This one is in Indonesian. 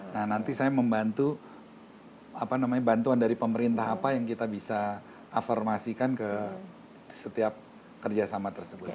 nah nanti saya membantu bantuan dari pemerintah apa yang kita bisa afirmasikan ke setiap kerjasama tersebut